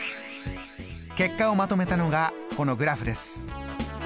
結果をまとめたのがこのグラフです。